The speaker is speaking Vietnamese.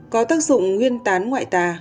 có tác dụng nguyên tán ngoại tà